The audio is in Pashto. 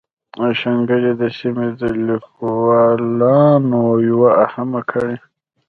د شانګلې د سيمې د ليکوالانو يوه اهمه کړۍ